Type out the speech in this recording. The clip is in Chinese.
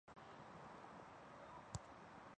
我最后的请求是牵着妳的手